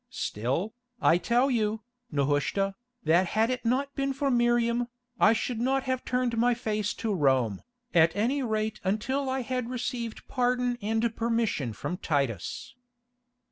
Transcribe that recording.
Still, I tell you, Nehushta, that had it not been for Miriam, I should not have turned my face to Rome, at any rate until I had received pardon and permission from Titus."